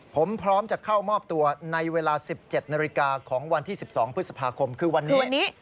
ผมพร้อมจะเข้ามอบตัวในเวลา๑๗นาฬิกาของวันที่๑๒พฤษภาคมคือวันนี้